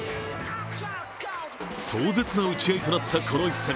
壮絶な打ち合いとなったこの一戦。